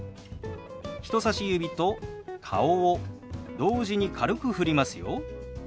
人さし指と顔を同時に軽くふりますよ。